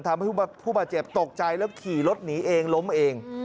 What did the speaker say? ทำให้ผู้บาดเจ็บตกใจแล้วขี่รถหนีเองล้มเอง